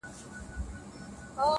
او يوازې پاتې کيږي هره ورځ,